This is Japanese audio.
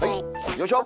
よいしょ！